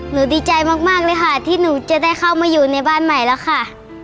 ดีใจมากเลยค่ะที่หนูจะได้เข้ามาอยู่ในบ้านใหม่แล้วค่ะ